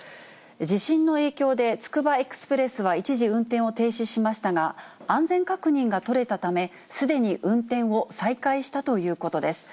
地震の影響で、つくばエクスプレスは一時運転を停止しましたが、安全確認が取れたため、すでに運転を再開したということです。